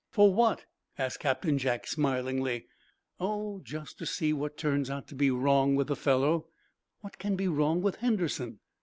"For what?" asked Captain Jack, smilingly. "Oh, just to see what turns out to be wrong with the fellow." "What can be, wrong with Henderson?"